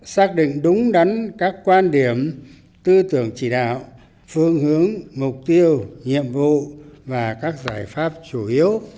xác định đúng đắn các quan điểm tư tưởng chỉ đạo phương hướng mục tiêu nhiệm vụ và các giải pháp chủ yếu